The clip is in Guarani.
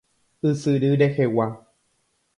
Ysyry rehegua.